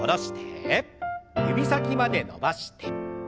指先まで伸ばして。